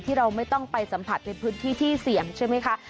เราไม่ต้องไปสัมผัสในพื้นที่ที่เสี่ยงใช่ไหมคะ